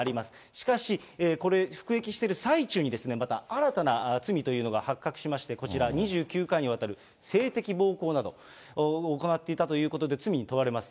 しかし、これ、服役してる最中にまた新たな罪というのが発覚しまして、こちら、２９回にわたる性的暴行など、行っていたということで、罪に問われます。